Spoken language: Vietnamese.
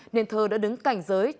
nên thơ đã đứng cảnh giới cho thư